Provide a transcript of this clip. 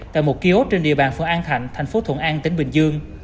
tại một kiosk trên địa bàn phượng an thạnh thành phố thuận an tỉnh bình dương